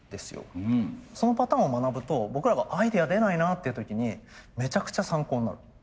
そのパターンを学ぶと僕らがアイデア出ないなっていう時にめちゃくちゃ参考になる。